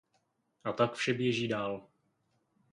A tak vše běží dál.